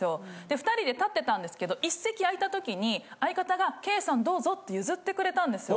２人で立ってたんですけど１席空いたときに相方が。って譲ってくれたんですよ。